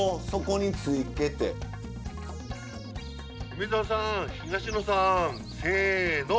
梅沢さん東野さんせの。